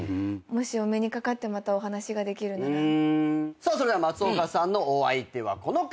さあそれでは松岡さんのお相手はこの方です。